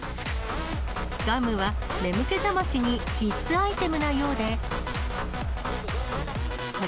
ガムは眠気覚ましに必須アイテムなようで。